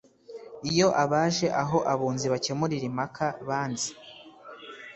Iyo abaje aho abunzi bakemurira impaka banze